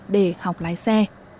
để học lái xe